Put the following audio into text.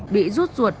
bị rút ruột